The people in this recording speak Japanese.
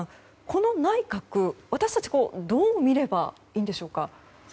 この内閣、私たちはどう見ればいいんでしょうか。